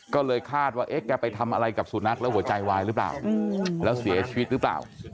ก็เลยคาดว่าเอ๊ะแกไปทำอะไรกับสุนัขแล้วหัวใจวายหรือเปล่าแล้วเสียชีวิตหรือเปล่า